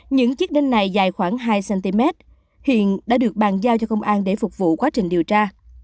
những chiếc đinh này dài khoảng hai cm hiện đã được bàn giao cho công an để phục vụ quá trình điều tra